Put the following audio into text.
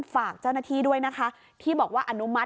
ฝากเจ้าหน้าที่ด้วยนะคะที่บอกว่า